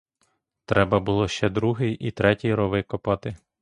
Треба було ще другий і третій рови копати.